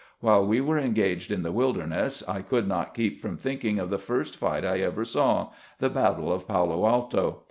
While we were engaged in the WUderness I could not keep from thinking of the first fight I ever saw — the battle of Palo Alto.